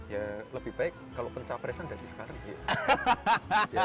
ya lebih baik kalau pencapresan dari sekarang sih